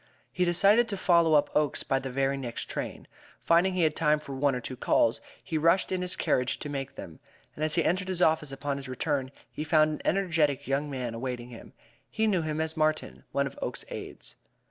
He decided to follow up Oakes by the very next train. Finding he had time for one or two calls, he rushed in his carriage to make them, and as he entered his office upon his return he found an energetic young man awaiting him. He knew him as Martin, one of Oakes's aides.